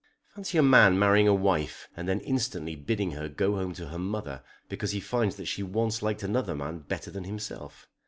Fancy a man marrying a wife and then instantly bidding her go home to her mother because he finds that she once liked another man better than himself!